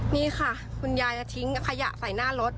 นี่ค่ะคุณยายทิ้งขยะใส่หน้ารถ